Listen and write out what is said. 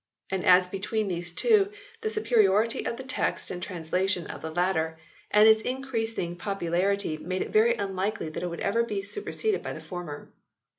And as be tween these two, the superiority of the text and translation of the latter and its increasing popularity made it very unlikely that it would ever be superseded by the former.